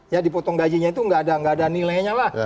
ya dipotong gajinya itu nggak ada nilainya lah